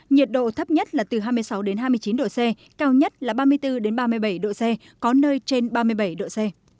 nhiệt độ thấp nhất là từ hai mươi sáu hai mươi chín độ c cao nhất là ba mươi bốn ba mươi bảy độ c có nơi trên ba mươi bảy độ c